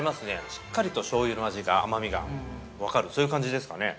しっかりと、しょうゆの味が甘みが分かるそういう感じですかね。